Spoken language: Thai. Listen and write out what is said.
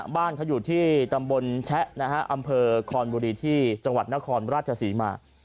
บ้านเขาอยู่ที่ตำบลแชะนะฮะอำเภอคอนบุรีที่จังหวัดนครราชศรีมา